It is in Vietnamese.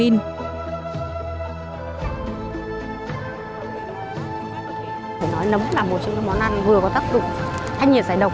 nói nấm là một trong những món ăn vừa có tác dụng thanh nhiệt giải động